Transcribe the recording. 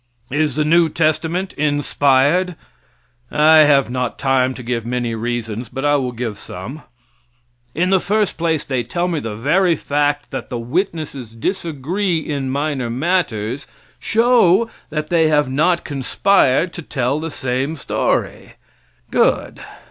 Is the new testament inspired? I have not time to give many reasons, but I will give some. In the first place, they tell me the very fact that the witnesses disagree in minor matters shows that they have not conspired to tell the same story. Good.